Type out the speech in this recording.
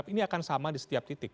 apa yang akan sama di setiap titik